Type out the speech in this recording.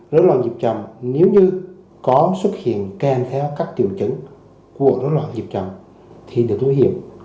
dối loạn nhịp chậm nếu như có xuất hiện khen theo các tiểu chứng của dối loạn nhịp chậm thì được nguy hiểm